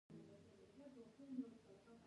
آیا پریړونه او هوسۍ هلته نشته؟